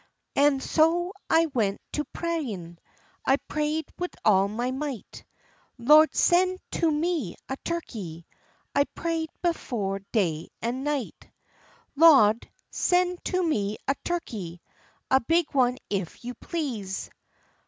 An' so I went to prayin', I pray'd wid all my might; "Lawd, sen' to me a turkey." I pray'd bofe day an' night. "Lawd, sen' to me a turkey, a big one if you please."